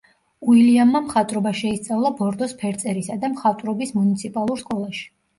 უილიამმა მხატვრობა შეისწავლა ბორდოს ფერწერისა და მხატვრობის მუნიციპალურ სკოლაში.